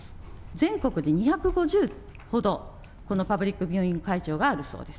全国で２５０ほど、このパブリックビューイング会場があるそうです。